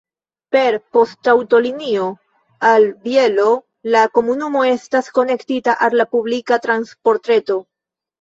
Per poŝtaŭtolinio al Bielo la komunumo estas konektita al la publika transportreto.